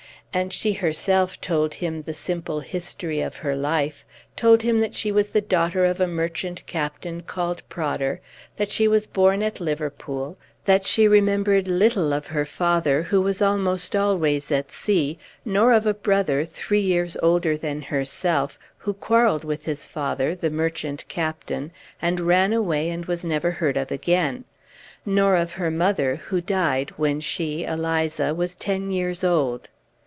And she herself told him the simple history of her life told him that she was the daughter of a merchant captain called Prodder; that she Page 7 was born at Liverpool; that she remembered little of her father, who was almost always at sea; nor of a brother, three years older than herself, who quarrelled with his father, the merchant captain, and ran away, and was never heard of again; nor of her mother, who died when she, Eliza, was ten years old.